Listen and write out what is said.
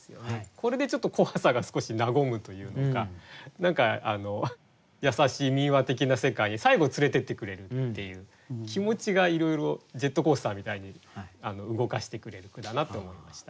これでちょっと怖さが少し和むというか何か優しい民話的な世界に最後連れてってくれるっていう気持ちがいろいろジェットコースターみたいに動かしてくれる句だなと思いました。